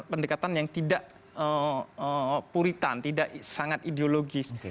pendekatan yang tidak puritan tidak sangat ideologis